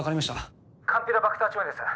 ☎カンピロバクター腸炎です。